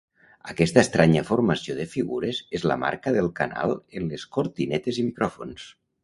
Aquesta estranya formació de figures és la marca del canal en les cortinetes i micròfons.